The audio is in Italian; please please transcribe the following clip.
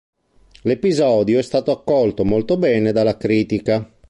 L'episodio è stato accolto molto bene dalla critica.